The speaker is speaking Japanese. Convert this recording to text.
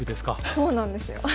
そうなんですよ。